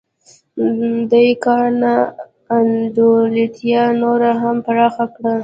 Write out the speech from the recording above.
دې کار نا انډولتیا نوره هم پراخه کړه